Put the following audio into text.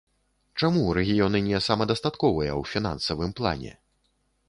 Чаму рэгіёны не самадастатковыя ў фінансавым плане?